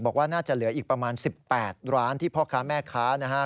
บอกว่าน่าจะเหลืออีกประมาณ๑๘ร้านที่พ่อค้าแม่ค้านะฮะ